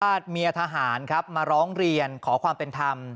เมียทหารครับมาร้องเรียนขอความเป็นธรรม